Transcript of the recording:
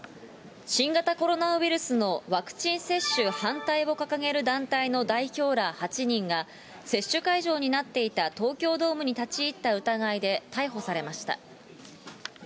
新型コロナウイルスのワクチン接種反対を掲げる団体の代表ら８人が、接種会場になっていた東京ドームに立ち入った疑いで逮捕されました。